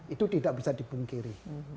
itu tidak bisa dipungkiri